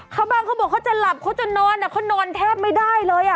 เขาบอกเขาจะหลับเขาจะนอนแต่เขานอนแทบไม่ได้เลย